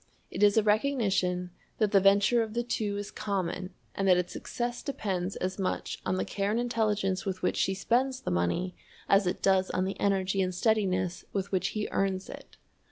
It is a recognition that the venture of the two is common and that its success depends as much on the care and intelligence with which she spends the money as it does on the energy and steadiness with which he earns it.